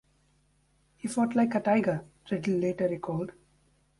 "He fought like a tiger," Riddle later recalled.